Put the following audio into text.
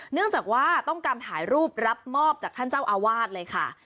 เนื่องจากว่าต้องการถ่ายรูปรับมอบจากท่านเจ้าอาวาสเลยค่ะ